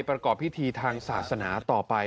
ประกอบพิธีทางศาสนาต่อไป